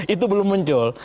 itu belum muncul